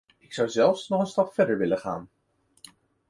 Ik zou zelfs nog een stap verder willen gaan.